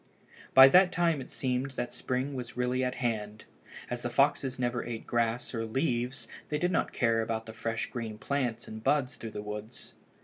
By that time it seemed that spring was really at hand. As the foxes never ate grass or leaves they did not care about the fresh green plants and buds through the woods.